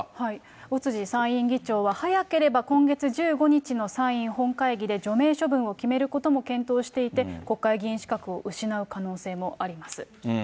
尾辻参院議長は、早ければ今月１５日の参院本会議で除名処分を決めることも検討していて、国会議員資格を失う可能性もあります。